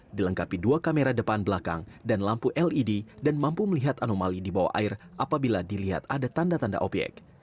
dilengkapi dua kamera depan belakang dan lampu led dan mampu melihat anomali di bawah air apabila dilihat ada tanda tanda obyek